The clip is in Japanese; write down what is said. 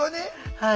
はい。